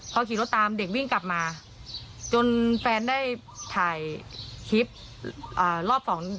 พอขี่รถตามเด็กวิ่งกลับมาจนแฟนได้ถ่ายคลิปอ่ารอบสอง